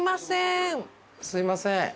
すいません。